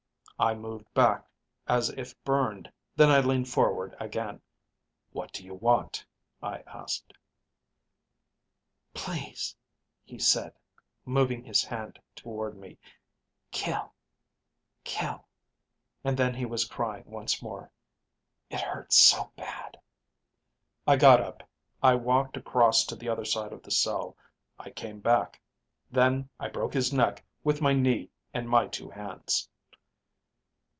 "I moved back as if burned; then I leaned forward again. 'What do you want?' I asked. "'Please ...' he said, moving his hand toward me. 'Kill ... kill ...' and then he was crying once more. 'It hurts so bad ...' "I got up. I walked across to the other side of the cell. I came back. Then I broke his neck with my knee and my two hands.